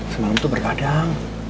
semalam tuh berkadang